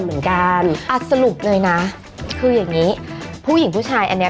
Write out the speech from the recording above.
เหมือนกันอ่ะสรุปเลยนะคืออย่างงี้ผู้หญิงผู้ชายอันเนี้ย